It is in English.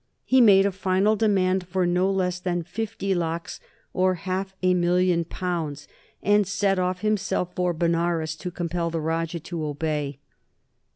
He made a final demand for no less than fifty lakhs, or half a million pounds, and set off himself for Benares to compel the Rajah to obey.